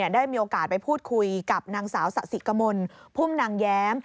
ได้มีโอกาสไปพูดคุยกับนางสาวสะสิกมลพุ่มนางแย้ม